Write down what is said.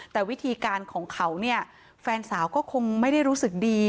แต่วิธีการของเขาเนี่ยแฟนสาวก็คงไม่ได้รู้สึกดี